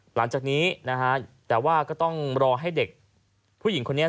หลังจากนี้นะฮะแต่ว่าก็ต้องรอให้เด็กผู้หญิงคนนี้